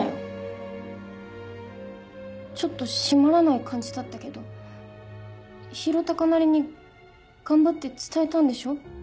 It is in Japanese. ちょっと締まらない感じだったけど宏嵩なりに頑張って伝えたんでしょ？